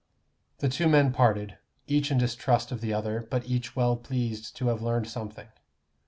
The two men parted, each in distrust of the other, but each well pleased to have learned something.